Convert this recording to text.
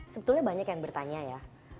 sebetulnya banyak yang bertanya ya